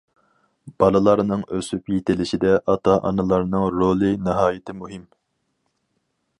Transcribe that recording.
بالىلارنىڭ ئۆسۈپ يېتىلىشىدە ئاتا-ئانىلارنىڭ رولى ناھايىتى مۇھىم.